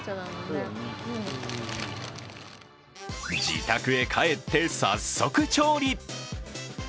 自宅へ帰って、早速調理。